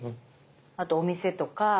あとお店とか。